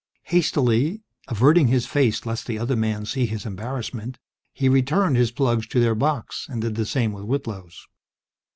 Hastily, averting his face lest the other man see his embarrassment, he returned his plugs to their box, and did the same with Whitlow's.